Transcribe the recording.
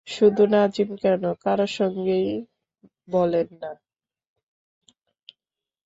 শুধু নাজিম কেন, কারো সঙ্গেই বলেন না।